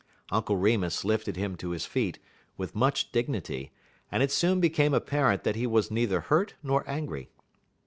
Uncle Remus lifted him to his feet, with much dignity, and it soon became apparent that he was neither hurt nor angry.